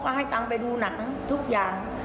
ก็ให้ตังค์ไปดูหนังทุกอย่าง